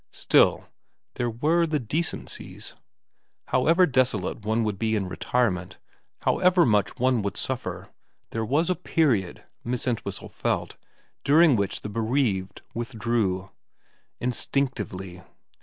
Still there were the decencies. However desolate one would be in retirement, however much one would n VERA 91 suffer, there was a period, Miss Ent whistle felt, during which the bereaved withdrew. Instinctively.